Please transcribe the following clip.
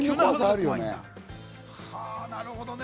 なるほどね。